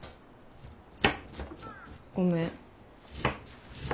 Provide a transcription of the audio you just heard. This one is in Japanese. ごめん。